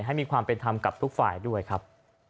ให้มีความเป็นธรรมกับทุกฝ่ายด้วยครับ